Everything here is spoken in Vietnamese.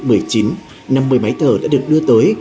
năm mươi máy thở đã được đưa tới